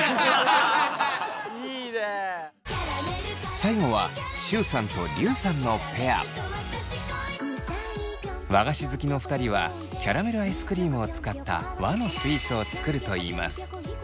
最後は和菓子好きの２人はキャラメルアイスクリームを使った和のスイーツを作るといいます。